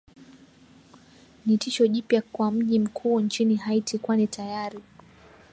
ni tisho jipya kwa mji mkuu nchini haiti kwani tayari